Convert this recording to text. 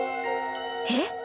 えっ？